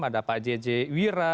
ada pak jj wira